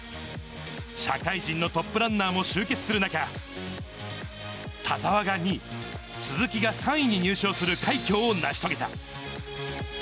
社会人のトップランナーも集結する中、田澤が２位、鈴木が３位に入賞する快挙を成し遂げた。